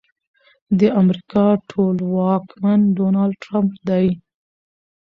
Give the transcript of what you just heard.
د امريکا ټولواکمن ډونالډ ټرمپ دی.